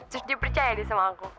terus dia percaya deh sama aku